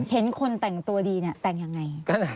เห็นคนแต่งตัวดีเนี่ยแต่งยังไง